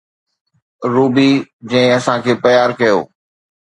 رويي جنهن اسان کي پيار ڪيو